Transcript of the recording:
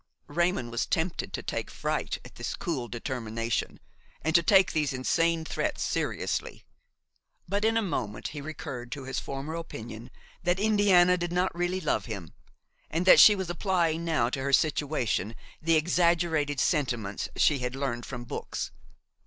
Raymon was tempted to take fright at this cool determination and to take these insane threats seriously; but in a moment he recurred to his former opinion that Indiana did not really love him, and that she was applying now to her situation the exaggerated sentiments she had learned from books.